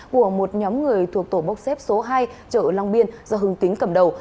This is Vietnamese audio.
của một nhóm người thuộc tổ bốc xếp số hai chợ long biên do hưng kính cầm đầu